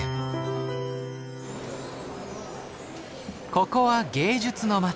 ここは芸術の街